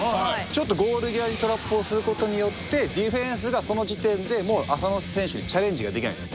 ちょっとゴール際にトラップをすることによってディフェンスがその時点で浅野選手にチャレンジができないんです。